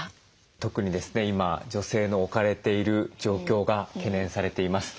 特にですね今女性の置かれている状況が懸念されています。